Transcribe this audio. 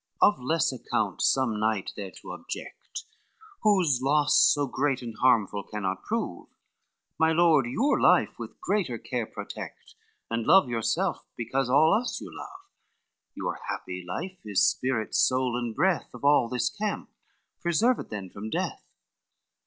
Of less account some knight thereto object Whose loss so great and harmful cannot prove; My lord, your life with greater care protect, And love yourself because all us you love, Your happy life is spirit, soul, and breath Of all this camp, preserve it then from death."